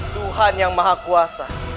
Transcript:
tuhan yang maha kuasa